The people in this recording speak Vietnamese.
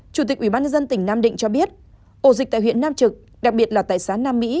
chủ tịch ubnd tỉnh nam định cho biết ổ dịch tại huyện nam trực đặc biệt là tại xã nam mỹ